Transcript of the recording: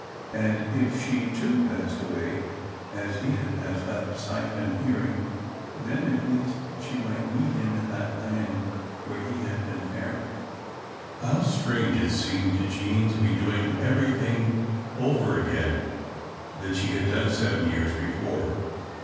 And if she, too, passed away as he had passed out of sight and hearing, then at least she might meet him in that land where he had been carried. [Illustration: Page 281] How strange it seemed to Jean to be doing everything over again that she had done seven years before.